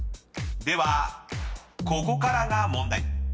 ではここからが問題］